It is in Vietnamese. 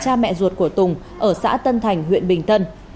dung đã tìm ra mẹ ruột của tùng ở xã tân thành huyện bình tân